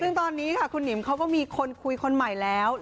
ซึ่งตอนนี้ค่ะคุณหิมเขาก็มีคนคุยคนใหม่แล้ว